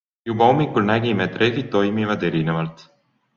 Juba hommikul nägime, et rehvid toimivad erinevalt.